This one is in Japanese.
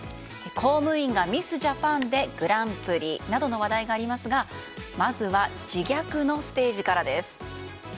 公務員がミス・ジャパンでグランプリなどの話題がありますがまずは、自虐のステージからです。